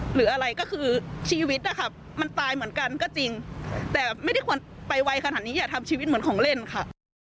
หรืออะไรก็คือชีวิตนะคะมันตายเหมือนกันก็จริงแต่ไม่ได้ควรไปไวขนาดนี้อย่าทำชีวิตเหมือนของเล่นค่ะ